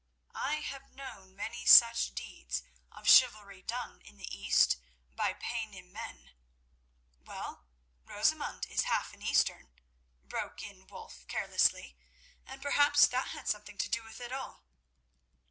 I have known many such deeds of chivalry done in the East by Paynim men—" "Well, Rosamund is half an Eastern," broke in Wulf carelessly; "and perhaps that had something to do with it all."